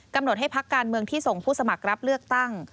ให้พักการเมืองที่ส่งผู้สมัครรับเลือกตั้ง